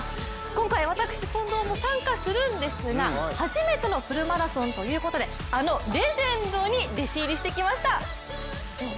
今回、私近藤も参加するんですが初めてのフルマラソンということで、あのレジェンドに弟子入りしてきました。